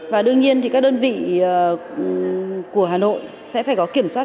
và đương nhiên thì các đơn vị của hà nội sẽ phải có kiểm soát